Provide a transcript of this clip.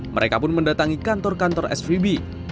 mereka pun mendatangi kantor kantor svb